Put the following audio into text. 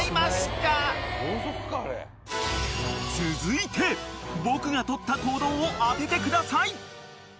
［続いて僕が取った行動を当ててください］